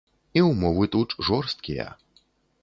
І ўмовы тут жорсткія.